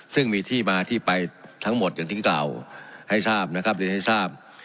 ซึ่งมีที่มาที่ไปทั้งหมดอย่างที่กล่าวให้ทราบนะครับเรียนให้ทราบ